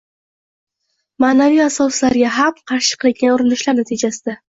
– ma’naviy asoslarga ham qarshi qilingan urinishlar natijasida